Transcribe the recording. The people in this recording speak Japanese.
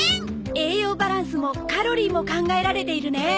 栄養バランスもカロリーも考えられているね。